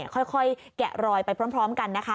ค่อยแกะรอยไปพร้อมกันนะคะ